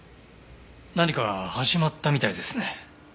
何か始まったみたいですね。